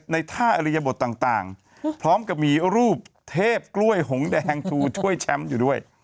ในท่าอริยบทต่างพร้อมกับมีรูปเทพกล้วยหงแดงชูช่วยแชมป์อยู่ด้วย